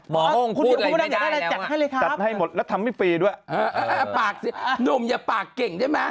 หมอโฮงพูดอะไรไม่ได้แล้วว่าจัดให้หมดแล้วทำให้ฟรีด้วยปากสินมอย่าปากเก่งใช่ไหม